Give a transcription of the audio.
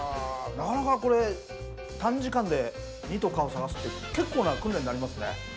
なかなかこれ短時間で「２」と「か」を探すって結構な訓練になりますね。